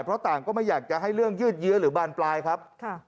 เพราะต่างก็ไม่อยากจะให้เรื่องยืดเยื้อหรือบานปลายครับ